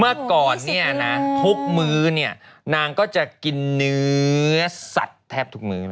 เมื่อก่อนเนี่ยนะทุกมื้อนางก็จะกินเนื้อสัตว์แทบทุกมื้อนะ